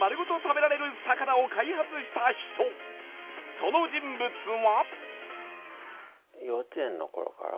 その人物は。